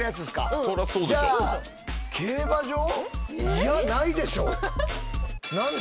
いやないでしょ。